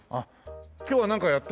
今日はなんかやってる？